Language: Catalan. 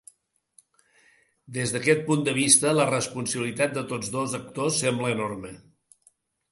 Des d’aquest punt de vista, la responsabilitat de tots dos actors sembla enorme.